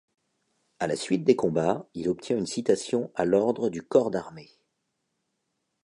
À la suite des combats, il obtient une citation à l’ordre du corps d’armée.